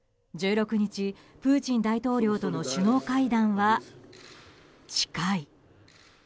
１６日、プーチン大統領との首脳会談は近い。